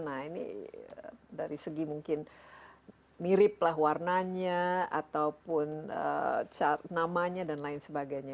nah ini dari segi mungkin mirip lah warnanya ataupun namanya dan lain sebagainya